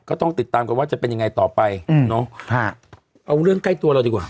ก็ต้องติดตามกันว่าจะเป็นยังไงต่อไปอืมเนอะฮะเอาเรื่องใกล้ตัวเราดีกว่า